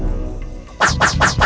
jangan buang sampah dimana saja